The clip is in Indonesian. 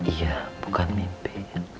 iya bukan mimpi